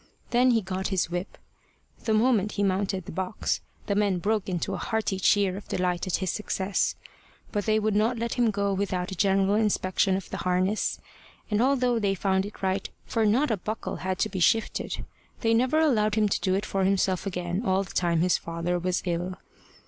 Then he got his whip. The moment he mounted the box, the men broke into a hearty cheer of delight at his success. But they would not let him go without a general inspection of the harness; and although they found it right, for not a buckle had to be shifted, they never allowed him to do it for himself again all the time his father was ill.